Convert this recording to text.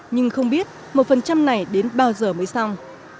nhưng không biết một phần trăm này đến bao giờ mới xong